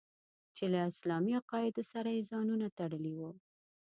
چې له اسلامي عقایدو سره یې ځانونه تړلي وو.